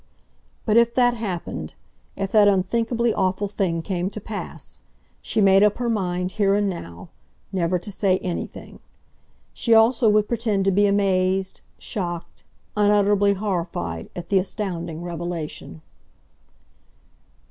But if that happened—if that unthinkably awful thing came to pass, she made up her mind, here and now, never to say anything. She also would pretend to be amazed, shocked, unutterably horrified at the astounding revelation.